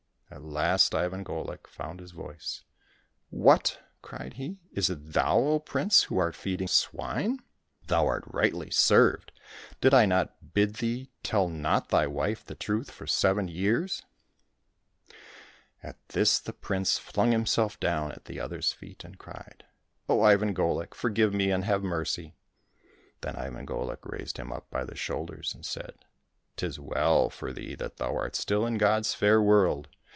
At last Ivan Golik found his voice :" What !" cried he. "Is it thou, O prince, who art feeding swine ? Thou art rightly served ! Did I not bid thee, ' Tell not thy wife the truth for seven years '.^" At this the prince flung himself down at the other's feet, and cried, '' O Ivan Golik ! forgive me, and have mercy !" Then Ivan Golik raised him up by the shoulders and said, " 'Tis well for thee that thou art still in God's fair world